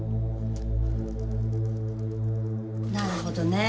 なるほどねぇ。